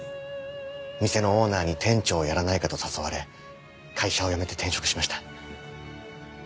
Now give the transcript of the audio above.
店のオーナーに店長をやらないかと誘われ会社を辞めて転職しました。